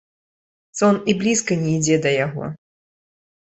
Сон і блізка не ідзе да яго.